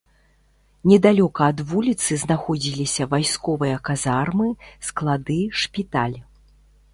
Недалёка ад вуліцы знаходзіліся вайсковыя казармы, склады, шпіталь.